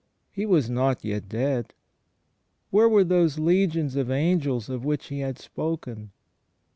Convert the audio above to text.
He was not yet dead! ... Where were those legions of angels of which He had spoken?